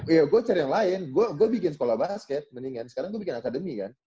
ya gue cari yang lain gue bikin sekolah basket mendingan sekarang gue bikin akademi kan